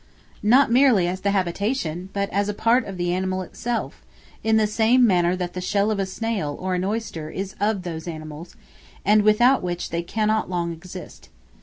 Not merely as the habitation, but as a part of the animal itself, in the same manner that the shell of a snail or an oyster is of those animals, and without which they cannot long exist.